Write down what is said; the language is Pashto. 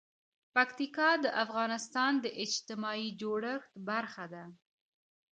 پکتیکا د افغانستان د اجتماعي جوړښت برخه ده.